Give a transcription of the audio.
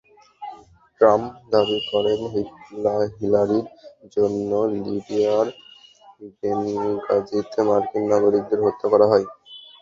Trump দাবি করেন, হিলারির জন্য লিবিয়ার বেনগাজিতে মার্কিন নাগরিকদের হত্যা করা হয়।